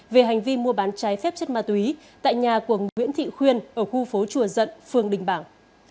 về hành vi mua bán trái phép chất ma túy tại nhà của nguyễn thị khuyên ở khu phố chùa dận phường đình bảng